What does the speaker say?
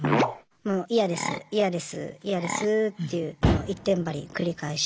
もう嫌です嫌です嫌ですっていうもう一点張り繰り返しだったんですよね。